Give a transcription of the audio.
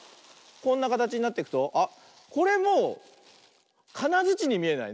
こんなかたちになってくとあっこれもうかなづちにみえない？